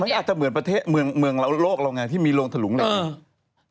มันอาจจะเหมือนประเทศเมืองโลกเราไงที่มีโลงถลุงเหล็ก